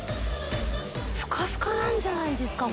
ふかふかなんじゃないですか。